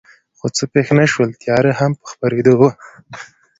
خو څه پېښ نه شول، تیاره هم په خپرېدو وه.